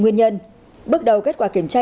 nguyên nhân bước đầu kết quả kiểm tra